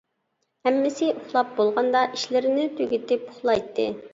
ھەممىسى ئۇخلاپ بولغاندا، ئىشلىرىنى تۈگىتىپ ئۇخلايتتى.